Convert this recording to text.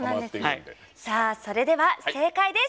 それでは正解です。